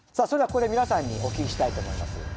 それではここで皆さんにお聞きしたいと思います。